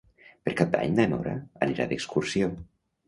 Per Cap d'Any na Nora anirà d'excursió.